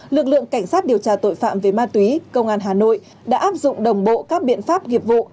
lực lượng cảnh sát điều tra tội phạm về ma túy công an hà nội đã áp dụng đồng bộ các biện pháp nghiệp vụ